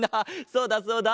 そうだそうだ。